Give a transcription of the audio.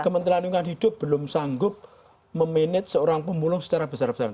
kementerian lingkungan hidup belum sanggup memanage seorang pemulung secara besar besaran